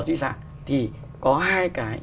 di sản thì có hai cái